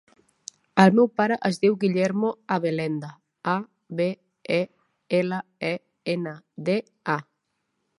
El meu pare es diu Guillermo Abelenda: a, be, e, ela, e, ena, de, a.